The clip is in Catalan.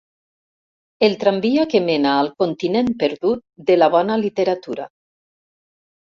El tramvia que mena al continent perdut de la bona literatura.